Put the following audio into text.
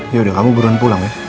ya udah kamu buruan pulang ya